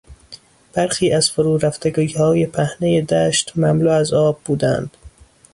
برخی از فرورفتگیهای پهنهی دشت مملو از آب بودند.